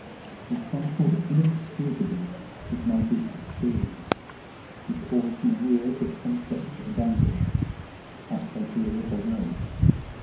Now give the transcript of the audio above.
He trifled inexcusably with my deepest feelings; he caused me years of conflict and anguish, such as he little knows.